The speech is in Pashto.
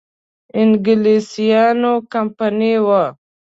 انګلیسیانو کمپنی وه.